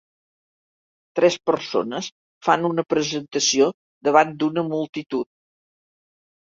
Tres persones fan una presentació davant d'una multitud.